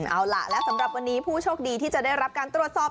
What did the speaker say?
เอาล่ะและสำหรับวันนี้ผู้โชคดีที่จะได้รับการตรวจสอบ